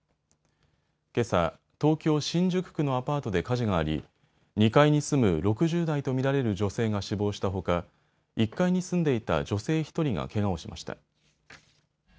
けさ、東京新宿区のアパートで火事があり２階に住む６０代と見られる女性が死亡したほか１階に住んでいた女性１人がけがをしました。